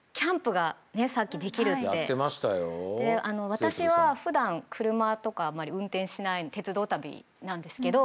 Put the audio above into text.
私はふだん車とかあんまり運転しない鉄道旅なんですけど。